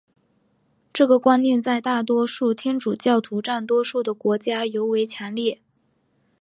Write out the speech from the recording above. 这个观念在大多数天主教徒占多数的国家尤为强烈。